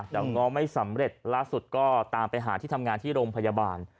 แต่ก็ไม่สำเร็จล่าสุดก็ตามไปหาที่ทำงานที่โรงพยาบาล